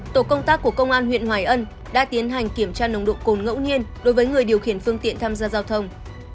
tổ công tác của công an huyện hoài ân đã tiến hành kiểm tra nồng độ cồn ngẫu nhiên đối với người điều khiển phương tiện tham gia giao thông